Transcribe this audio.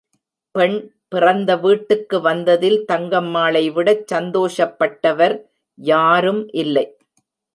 பெண், பிறந்த வீட்டுக்கு வந்ததில் தங்கம்மாளை விடச் சந்தோஷப்பட்டவர் யாரும் இல்லை.